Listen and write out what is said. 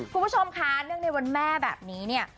คุณผู้ชมคะเนื่องในวันแม่แบบนี้เนี่ย